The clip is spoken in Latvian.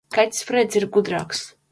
Kaķis Fredis ir gudrāks.